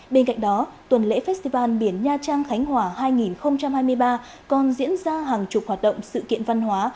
bên cạnh đó tuần lễ festival biển nha trang khánh hòa hai nghìn hai mươi ba còn diễn ra hàng chục hoạt động sự kiện văn hóa